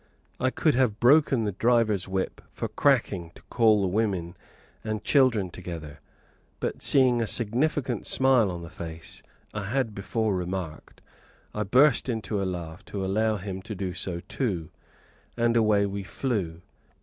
I could have broken the driver's whip for cracking to call the women and children together, but seeing a significant smile on the face, I had before remarked, I burst into a laugh to allow him to do so too, and away we flew.